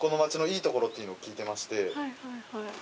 はいはいはい。